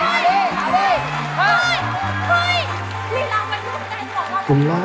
ที่เราเป็นลูกแดงเหรอ